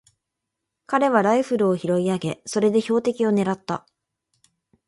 彼はライフルを拾い上げ、それで標的をねらった。